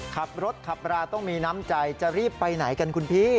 ขับรถขับราต้องมีน้ำใจจะรีบไปไหนกันคุณพี่